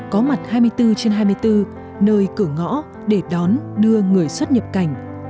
có mặt hai mươi bốn trên hai mươi bốn nơi cửa ngõ để đón đưa người xuất nhập cảnh